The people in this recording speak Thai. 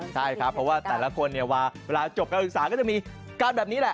ใช่ครับเพราะว่าแต่ละคนเนี่ยเวลาจบการศึกษาก็จะมีการแบบนี้แหละ